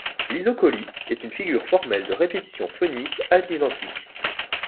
L'isocolie est une figure formelle de répétition phonique à l'identique.